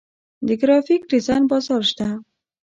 د ګرافیک ډیزاین بازار شته